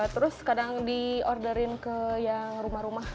terus kadang di orderin ke yang rumah rumah